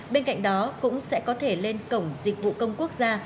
bên cạnh đó cũng sẽ có thể lên cổng dịch vụ công quốc gia